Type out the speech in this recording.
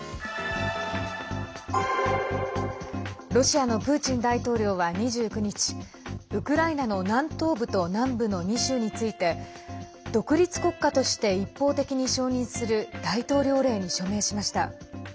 ロシアのプーチン大統領は２９日ウクライナの南東部と南部の２州について独立国家として一方的に承認する大統領令に署名しました。